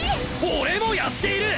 俺もやっている！